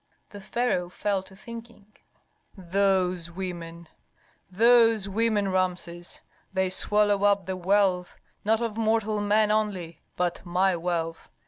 The pharaoh fell to thinking. "Those women those women, Rameses, they swallow up the wealth, not of mortal men only, but my wealth.